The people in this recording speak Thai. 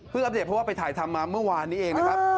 อัปเดตเพราะว่าไปถ่ายทำมาเมื่อวานนี้เองนะครับ